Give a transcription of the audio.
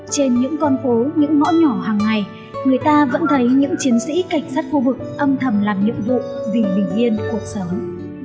trên những con phố những ngõ nhỏ hàng ngày người ta vẫn thấy những chiến sĩ cảnh sát khu vực âm thầm làm nhiệm vụ vì bình yên cuộc sống